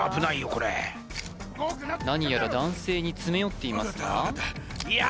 これ何やら男性に詰め寄っていますがいや